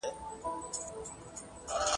ځیني اورېدونکي به حتی سرونه ورته وښوروي !.